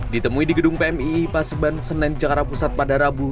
ditemui di gedung pmii paseban senen jakarta pusat pada rabu